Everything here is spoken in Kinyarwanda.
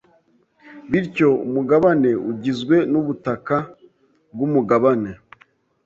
bityo umugabane ugizwe nubutaka bwumugabane